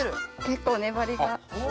結構粘りが。